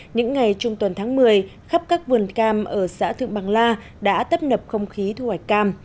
những ngày trung tuần tháng một mươi khắp các vườn cam ở xã thượng bằng la đã tấp nập không khí thu hoạch cam